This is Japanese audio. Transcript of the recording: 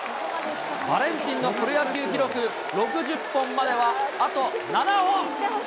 バレンティンのプロ野球記録、６０本まではあと７本。